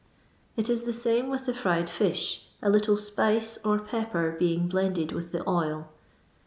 It is the same with the fried fish, a little spice or pepper being blended with the oil.